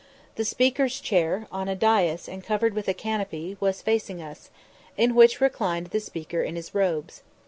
The Speaker's chair, on a dais and covered with a canopy, was facing us, in which reclined the Speaker in his robes.